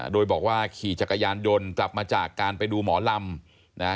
โดยบอกว่าขี่จักรยานยนต์กลับมาจากการไปดูหมอลำนะฮะ